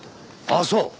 ああそう！